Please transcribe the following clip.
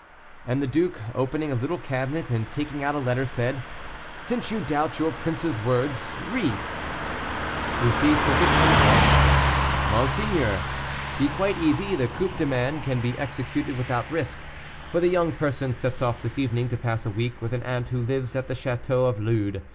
And the duke, opening a little cabinet, and taking out a letter, said, "Since you doubt your prince's words, read." Bussy took it and read, "MONSEIGNEUR, "Be quite easy; the coup de main can be executed without risk, for the young person sets off this evening to pass a week with an aunt who lives at the château of Lude.